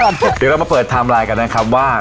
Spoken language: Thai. เดี๋ยวเรามาเปิดไทม์ไลน์กันนะครับว่า